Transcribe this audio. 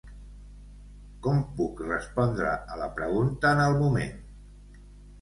Com puc respondre a la pregunta en el moment.